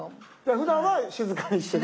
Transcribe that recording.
ふだんは静かにしてる？